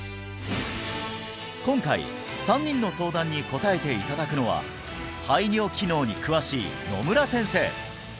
今回３人の相談に答えていただくのは排尿機能に詳しい野村先生